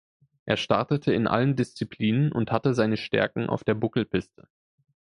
Er startete in allen Disziplinen und hatte seine Stärken auf der Buckelpiste.